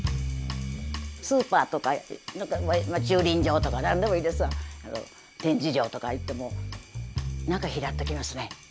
スーパーとか駐輪場とか何でもいいですわ展示場とか行っても何か拾ってきますね。